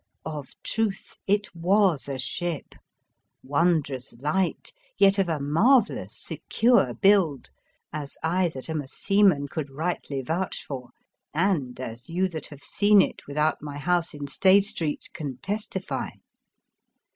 Of truth, it was a ship, wondrous light, yet of a marvellous secure build, as I that am a seaman could rightly vouch for, and as you that have seen it with out my house in Stade Street can tes tify.